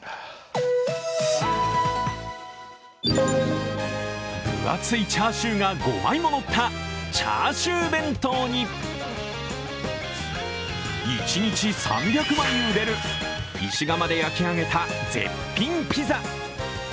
分厚いチャーシューが５枚も乗ったチャーシュー弁当に、一日３００枚売れる石窯で焼き上げた絶品ピザ。